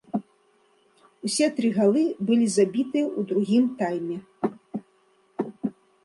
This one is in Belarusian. Усе тры галы былі забітыя ў другім тайме.